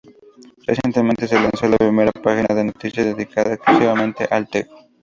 Recientemente se lanzó la primera página de noticias dedicada exclusivamente al tejo.